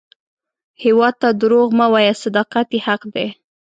هیواد ته دروغ مه وایه، صداقت یې حق دی